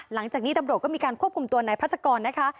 หลังจากนี้ตำรวจก็มีการควบคุมตัวนายพัศกรนะคะ